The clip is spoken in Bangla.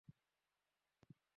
বললেন, ইয়া রাসূলাল্লাহ!